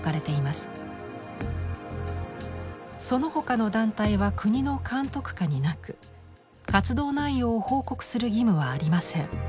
そのほかの団体は国の監督下になく活動内容を報告する義務はありません。